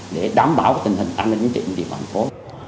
để đảm bảo tình hình an ninh trong tình hình thành phố